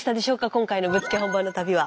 今回のぶっつけ本番の旅は。